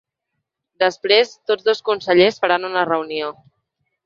Després, tots dos consellers faran una reunió.